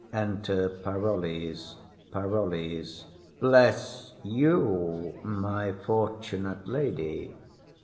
Enter Parolles. PAROLLES. Bless you, my fortunate lady!